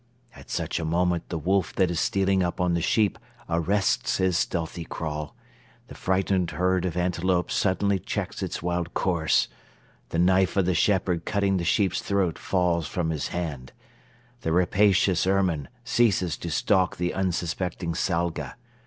At such a moment the wolf that is stealing up on the sheep arrests his stealthy crawl; the frightened herd of antelopes suddenly checks its wild course; the knife of the shepherd cutting the sheep's throat falls from his hand; the rapacious ermine ceases to stalk the unsuspecting salga.